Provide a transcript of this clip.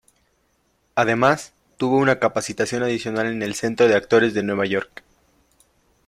Además, tuvo una capacitación adicional en el Centro de Actores en Nueva York.